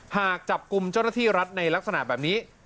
หากจับกลุ่มเจ้าหน้าที่รัฐในลักษณะแบบนี้